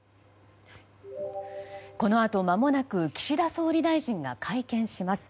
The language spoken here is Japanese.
このあとまもなく岸田総理大臣が会見します。